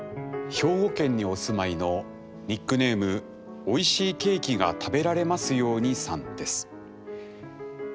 兵庫県にお住まいのニックネームおいしいケーキが食べられますようにさんです。